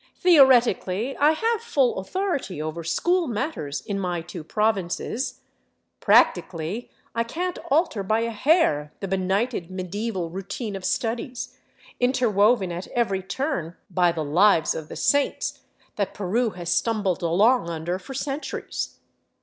Theoretically I have full authority over school matters in my two provinces; practically I can't alter by a hair the benighted medieval routine of studies, interwoven at every turn by the lives of the saints, that Peru has stumbled along under for centuries.